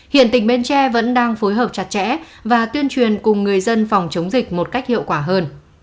hiện tỉnh bến tre vẫn đang phối hợp chặt chẽ và tuyên truyền cùng người dân phòng chống dịch một cách hiệu quả hơn